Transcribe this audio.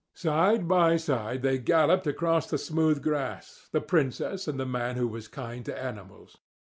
Side by side they galloped across the smooth grass, the princess and the man who was kind to animals.